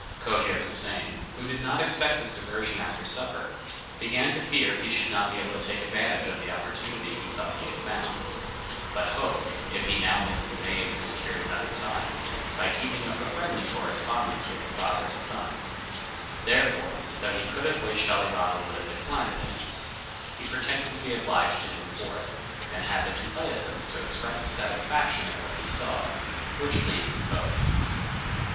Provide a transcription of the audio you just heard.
Cogia Houssain, who did not expect this diversion after supper, began to fear he should not be able to take advantage of the opportunity he thought he had found; but hoped, if he now missed his aim to secure it another time, by keeping up a friendly correspondence with the father and son; therefore, though he could have wished Ali Baba would have declined the dance, he pretended to be obliged to him for it, and had the complaisance to express his satisfaction at what he saw, which pleased his host.